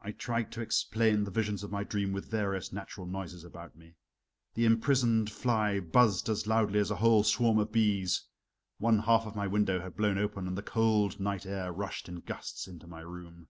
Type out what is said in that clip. I tried to explain the visions of my dream with various natural noises about me. The imprisoned fly buzzed as loudly as a whole swarm of bees; one half of my window had blown open, and the cold night air rushed in gusts into my room.